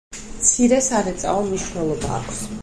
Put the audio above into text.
მცირე სარეწაო მნიშვნელობა აქვს.